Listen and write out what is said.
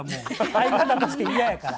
相方として嫌やから。